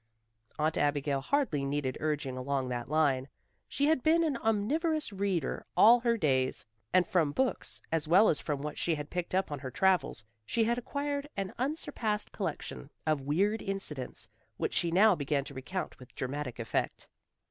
Aunt Abigail hardly needed urging along that line. She had been an omnivorous reader all her days, and from books, as well as from what she had picked up on her travels, she had acquired an unsurpassed collection of weird incidents which she now began to recount with dramatic effect.